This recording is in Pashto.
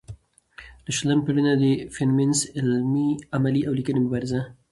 له شلمې پېړۍ نه د فيمينزم عملي او ليکنۍ مبارزه